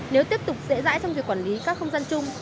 nếu tiếp tục dễ dãi trong việc quản lý các không gian chung